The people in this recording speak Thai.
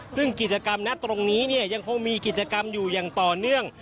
ซึ่งกิจกรรมนะตรงนี้เนี่ยยังคงมีกิจกรรมอยู่อย่างต่อเนื่อง